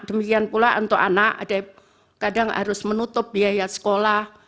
demikian pula kadang harus menutup biaya sekolah